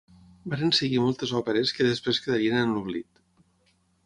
Varen seguir moltes òperes que després quedarien en l'oblit.